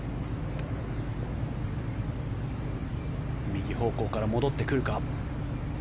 右方向から戻ってくるか。